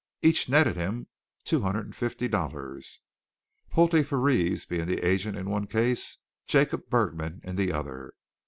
Each netted him two hundred and fifty dollars, Pottle Frères being the agents in one case, Jacob Bergman in the other.